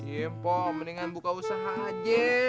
ya pom mendingan buka usaha aja